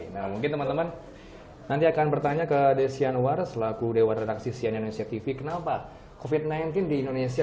nah mungkin teman teman nanti akan bertanya ke desi anwar selaku dewan redaksi sian indonesia tv kenapa covid sembilan belas di indonesia